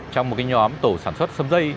trong một cái nhóm tổ sản xuất xâm dây